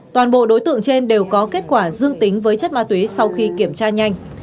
toàn bộ đối tượng trên đều có kết quả dương tính với chất ma túy sau khi kiểm tra nhanh